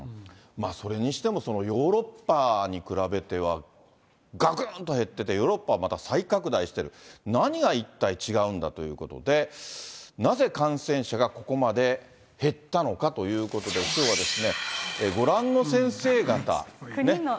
それにしても、ヨーロッパに比べてはがくんと減ってて、ヨーロッパはまた再拡大している、何が一体違うんだということで、なぜ感染者がここまで減ったのかということで、きょうはご覧の先生方。